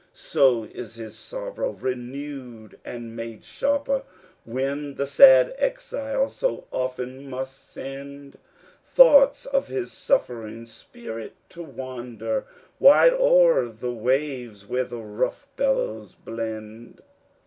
So is his sorrow renewed and made sharper When the sad exile so often must send Thoughts of his suffering spirit to wander Wide o'er the waves where the rough billows blend.